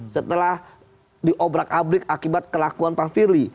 setelah diobrak abrik akibat kelakuan pak firly